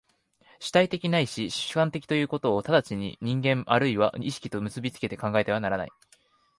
主体的ないし主観的ということを直ちに人間或いは意識と結び付けて考えてはならない。